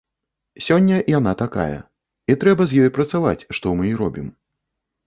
Сёння яна такая, і трэба з ёй працаваць, што мы і робім.